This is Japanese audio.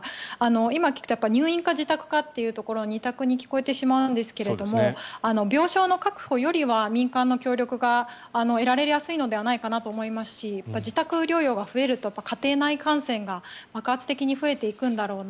今、聞くと入院か自宅か２択に聞こえてしまうんですけど病床確保よりは民間の協力が得られやすいのではないかなと思いますし自宅療養が増えると家庭内感染が爆発的に増えていくんだろうな。